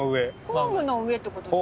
ホームの上ってことですか？